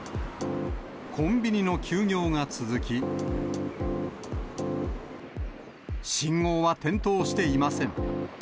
コンビニの休業が続き、信号は点灯していません。